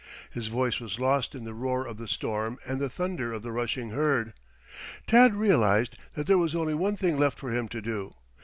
His voice was lost in the roar of the storm and the thunder of the rushing herd. Tad realized that there was only one thing left for him to do.